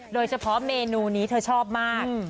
โดยเฉพาะเมนูนี้เธอชอบมาก